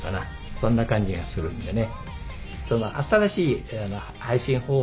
そんな感じがするんでね。